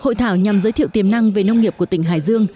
hội thảo nhằm giới thiệu tiềm năng về nông nghiệp của tỉnh hải dương